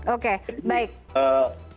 oke baik jadi